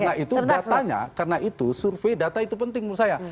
karena itu datanya karena itu survei data itu penting menurut saya